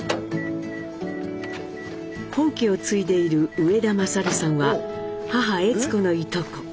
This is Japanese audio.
本家を継いでいる植田勝さんは母・悦子のいとこ。